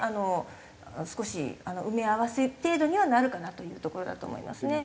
少し埋め合わせ程度にはなるかなというところだと思いますね。